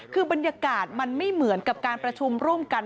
คือบรรยากาศมันไม่เหมือนกับการประชุมร่วมกัน